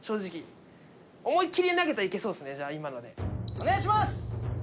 お願いします！